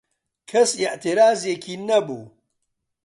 کەس ئێعترازێکی نەبوو